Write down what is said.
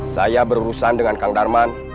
saya berurusan dengan kang darman